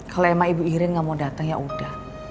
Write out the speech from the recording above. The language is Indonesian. kalau emak ibu iren gak mau datang yaudah